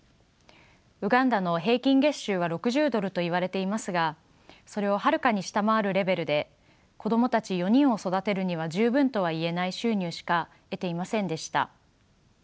ウガンダの平均月収は６０ドルと言われていますがそれをはるかに下回るレベルで子供たち４人を育てるには十分とは言えない収入しか得ていませんでした。